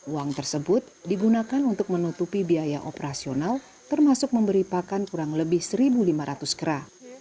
uang tersebut digunakan untuk menutupi biaya operasional termasuk memberi pakan kurang lebih satu lima ratus kera